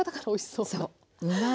そう。